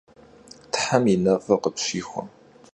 Them yi nef'ır khıpşixue.